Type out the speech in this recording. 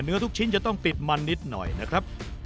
ทุกชิ้นจะต้องติดมันนิดหน่อยนะครับ